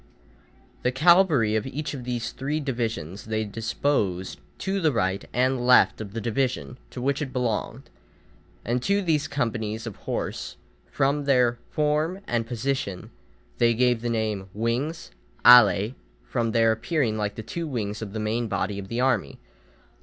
The cavalry of each of these three divisions they disposed to the right and left of the division to which it belonged; and to these companies of horse, from their form and position, they gave the name wings (alæ), from their appearing like the two wings of the main body of the army.